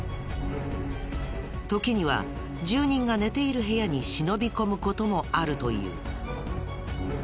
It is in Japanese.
時には住人が寝ている部屋に忍び込む事もあるという。